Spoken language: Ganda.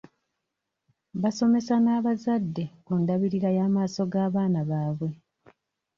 Basomesa n'abazadde ku ndabirira y'amaaso g'abaana baabwe.